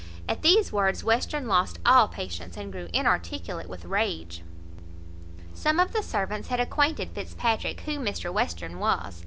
At these words Western lost all patience, and grew inarticulate with rage. Some of the servants had acquainted Fitzpatrick who Mr Western was.